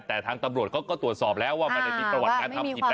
แต่ทางตำรวจเขาก็ตรวจสอบแล้วว่าไม่ได้มีประวัติการทำผิดนะ